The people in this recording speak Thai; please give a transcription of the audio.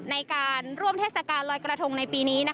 ในการร่วมเทศกาลลอยกระทงในปีนี้